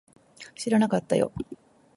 知らなかったよ